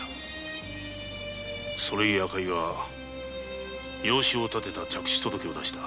それ故赤井は養子を立てた嫡子届を出した。